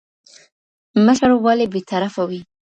مشر ولي بي طرفه وي؟